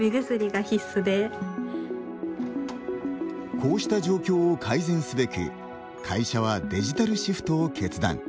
こうした状況を改善すべく会社はデジタルシフトを決断。